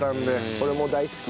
俺も大好き。